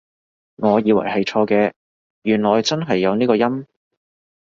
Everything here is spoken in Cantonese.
我以為係錯嘅，原來真係有呢個音？